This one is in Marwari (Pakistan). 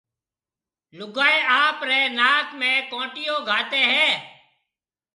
لوگائيَ آپريَ ناڪ ۾ ڪونٽيو گھاتيَ ھيََََ